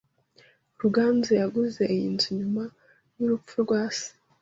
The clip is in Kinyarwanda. Ruganzu yaguze iyi nzu nyuma y'urupfu rwa se.